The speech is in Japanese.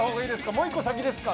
もう一個先ですか？